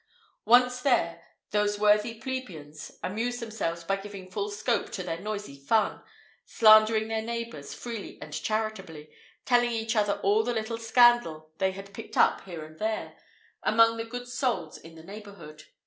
Once there, those worthy plebeians amused themselves by giving full scope to their noisy fun, slandering their neighbours freely and charitably, telling each other all the little scandal they had picked up here and there, among the good souls in their neighbourhood.